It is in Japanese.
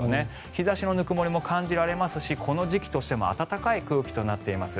日差しのぬくもりも感じられますしこの時期としても暖かい空気となっています。